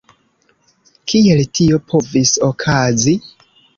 Kiel tio povis okazi?